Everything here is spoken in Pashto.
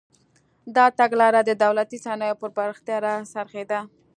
دا تګلاره د دولتي صنایعو پر پراختیا راڅرخېده.